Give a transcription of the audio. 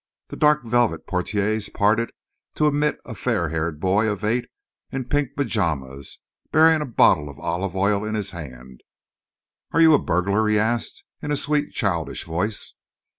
The dark velvet portières parted to admit a fair haired boy of eight in pink pajamas, bearing a bottle of olive oil in his hand. "Are you a burglar?" he asked, in a sweet, childish voice.